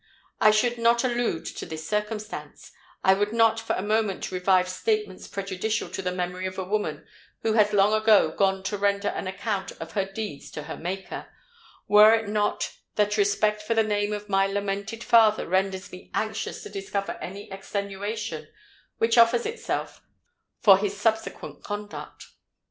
I should not allude to this circumstance—I would not for a moment revive statements prejudicial to the memory of a woman who has long ago gone to render an account of her deeds to her Maker—were it not that respect for the name of my lamented father renders me anxious to discover any extenuation which offers itself for his subsequent conduct.